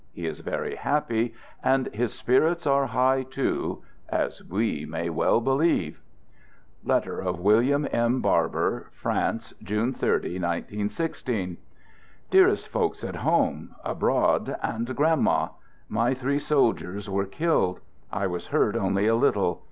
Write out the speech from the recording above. He is very happy, and his " spirits are high too "— as we may well believe : {Letter of William M. Barber) France, June 30, 191 6. Dearest "folks at home," abroad — and Grandma! ... My three soldiers were killed. I was hurt only a little.